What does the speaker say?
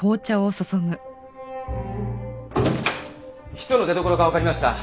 ヒ素の出どころがわかりました。